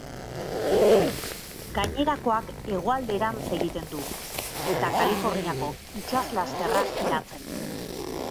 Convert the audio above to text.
Gainerakoak hegoalderantz egiten du, eta Kaliforniako itsaslasterra eratzen.